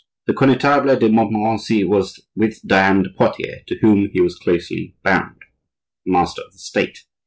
The Connetable de Montmorency was, with Diane de Poitiers, to whom he was closely bound, the master of the State.